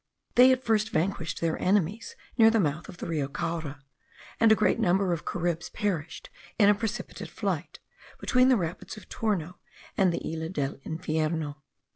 They at first vanquished their enemies near the mouth of the Rio Caura; and a great number of Caribs perished in a precipitate flight, between the rapids of Torno and the Isla del Infierno.